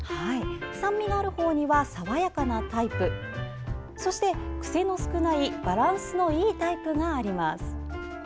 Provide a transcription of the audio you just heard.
酸味があるほうには爽やかなタイプそして、クセの少ないバランスのいいタイプがあります。